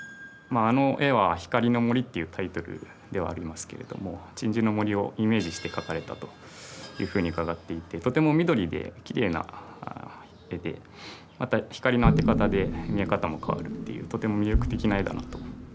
あの絵は「光の森」っていうタイトルではありますけれども鎮守の森をイメージして描かれたというふうに伺っていてとても緑できれいな絵でまた光の当て方で見え方も変わるっていうとても魅力的な絵だなと。